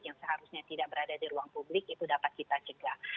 yang seharusnya tidak berada di ruang publik itu dapat kita cegah